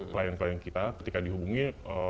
klien klien kita ketika dihubungi